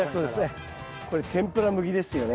これ天ぷら向きですよね。